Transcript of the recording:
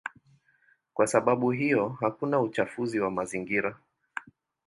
Kwa sababu hiyo hakuna uchafuzi wa mazingira.